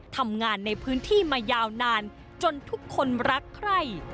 ทำงานในพื้นที่มายาวนานจนทุกคนรักใคร